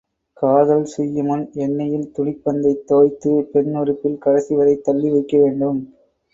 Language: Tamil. காதல் செய்யுமுன் எண்ணெய்யில் துணிப் பந்தைத் தோய்த்துப் பெண் உறுப்பில் கடைசி வரைத் தள்ளி வைக்க வேண்டும்.